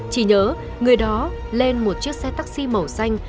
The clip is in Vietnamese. chỉ nhớ người đó lên một chiếc xe taxi màu xanh